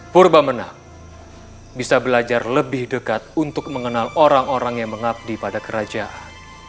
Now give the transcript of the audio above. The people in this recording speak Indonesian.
purba menang bisa belajar lebih dekat untuk mengenal orang orang yang mengabdi pada kerajaan